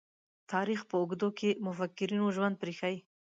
تاریخ په اوږدو کې مُفکرینو ژوند پريښی.